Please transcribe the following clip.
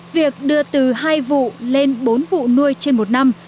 việc đưa từ hai vụ lên bốn vụ nuôi trên một năm